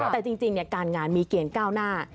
แต่จริงการงานมีเกณฑ์ก้าวหน้า